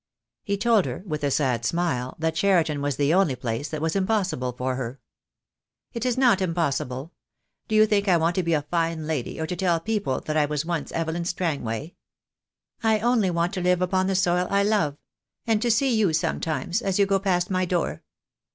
He told her, with a sad smile, that Cheriton was the only place that was impossible for her. "It is not impossible. Do you think I want to be a fine lady, or to tell people that I was once Evelyn Strang way? I only want to live upon the soil I love — and to see you, sometimes, as you go past my door.